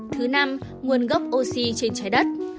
thứ năm nguồn gốc oxy trên trái đất